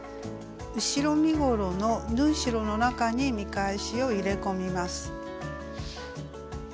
後ろ身ごろの縫い代の中に見返しを入れ込みます。